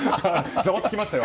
ざわつきましたよ。